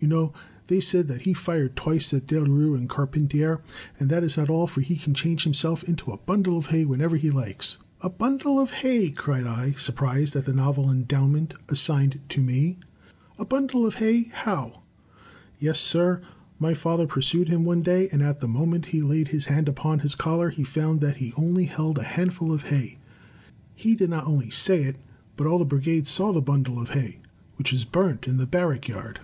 You know they said that he fired twice at Delrue and Car pentier; and that is not all, for he can change himself into a bundle of hay whenever he likes." "A bundle of hay!'* cried I, surprised at the novel endowment assigned to me. *'A bundle of hay! How?" "Yes, sir; my father pursued him one day, and at the moment he laid his hand upon his collar, he found that he only held a handful of hay. He did not only say it, but all the brigade saw the bundle of hay, which was burnt in the barrackyard.